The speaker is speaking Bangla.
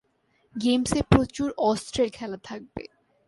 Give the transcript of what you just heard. গেমসে প্রচুর অস্ত্রের খেলা থাকবে!